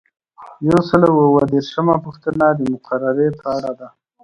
یو سل او اووه دیرشمه پوښتنه د مقررې په اړه ده.